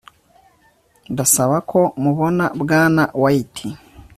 Ndasaba ko mubona Bwana White